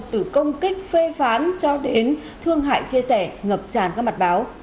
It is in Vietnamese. từ công kích phê phán cho đến thương hại chia sẻ ngập tràn các mặt báo